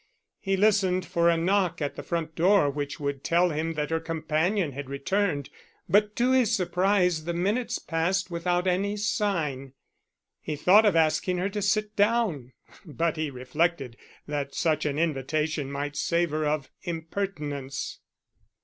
He listened for a knock at the front door which would tell him that her companion had returned, but to his surprise the minutes passed without any sign. He thought of asking her to sit down, but he reflected that such an invitation might savour of impertinence.